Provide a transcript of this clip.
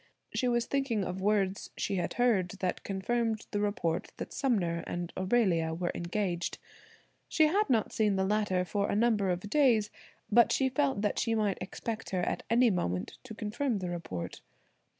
She was thinking of words she had heard that confirmed the report that Sumner and Aurelia were engaged. She had not seen the latter for a number of days, but she felt that she might expect her at any moment to confirm the report.